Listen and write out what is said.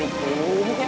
ini udah tunggu maksimal